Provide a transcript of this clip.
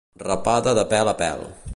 Rapada de pèl a pèl.